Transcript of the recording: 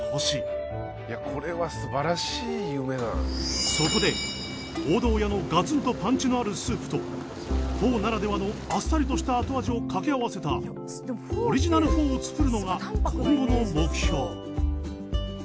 せっかくなのでそこで王道家のガツンとパンチのあるスープとフォーならではのあっさりとした後味を掛け合わせたオリジナルフォーを作るのが今後の目標。